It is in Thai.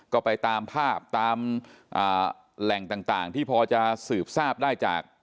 ก็ไปตามภาพตามแหล่งต่างที่พอจะสืบทราบได้จาก